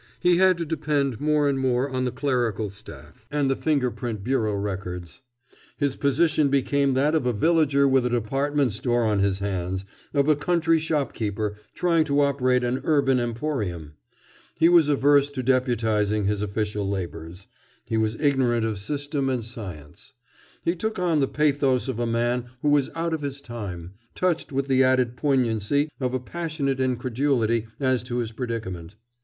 He had to depend more and more on the clerical staff and the finger print bureau records. His position became that of a villager with a department store on his hands, of a country shopkeeper trying to operate an urban emporium. He was averse to deputizing his official labors. He was ignorant of system and science. He took on the pathos of a man who is out of his time, touched with the added poignancy of a passionate incredulity as to his predicament.